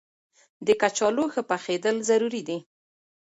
د کچالو ښه پخېدل ضروري دي.